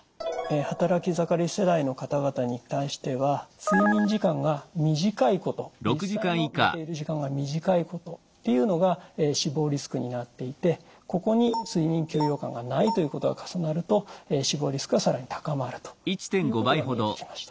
働き盛り世代の方々に対しては睡眠時間が短いこと実際の寝ている時間が短いことというのが死亡リスクになっていてここに睡眠休養感がないということが重なると死亡リスクが更に高まるということが見えてきました。